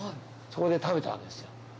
そこで食べたんですよ。